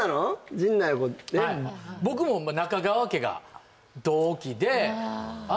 陣内僕も中川家が同期であ